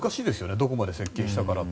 どこまで接近したからって。